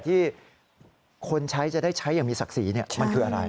ที่คนใช้จะได้ใช้อย่างมีศักดิ์ศรีมันคืออะไร